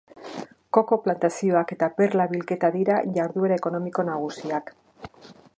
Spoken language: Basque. Koko-plantazioak eta perla-bilketa dira jarduera ekonomiko nagusiak.